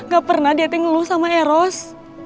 gak pernah dia nge lu sama eros